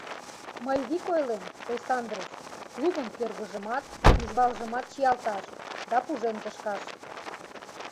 — Мый вик ойлем, Ойсандрыч: клубын кӧргыжымат, тӱжвалжымат чиялташ... да пужен кышкаш.